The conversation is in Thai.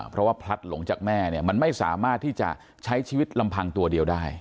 เพราะว่าพลัดหลงจากแม่เนี่ยมันไม่สามารถที่จะใช้ชีวิตลำพังตัวเดียวได้